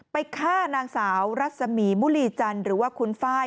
ไปฆ่านางสาวรัสมีมุลีจันหรือว่าคุณฟ้าย